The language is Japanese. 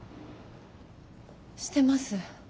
してます。